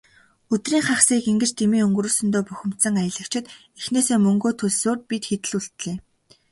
Өдрийн хагасыг ингэж дэмий өнгөрөөсөндөө бухимдсан аялагчид эхнээсээ мөнгөө төлсөөр, бид хэд л үлдлээ.